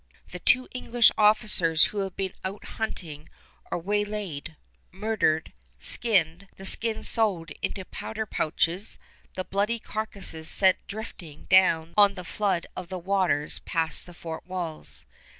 Two English officers who have been out hunting are waylaid, murdered, skinned, the skin sewed into powder pouches, the bloody carcasses sent drifting down on the flood of waters past the fort walls.